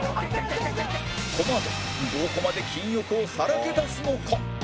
このあとどこまで金欲をさらけ出すのか？